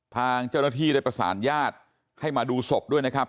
ทางเจ้าหน้าที่ได้ประสานญาติให้มาดูศพด้วยนะครับ